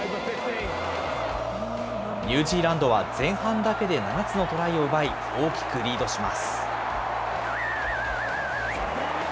ニュージーランドは前半だけで７つのトライを奪い、大きくリードします。